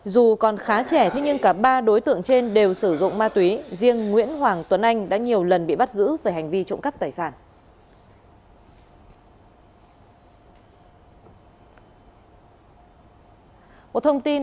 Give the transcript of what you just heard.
dù còn khá trẻ thế nhưng cả ba đối tượng trên đều sử dụng ma túy riêng nguyễn hoàng tuấn anh đã nhiều lần bị bắt giữ về hành vi trộm cắp tài sản